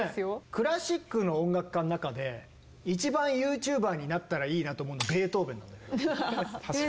クラシックの音楽家の中で一番ＹｏｕＴｕｂｅｒになったらいいなと思うの確かに。